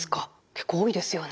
結構多いですよね。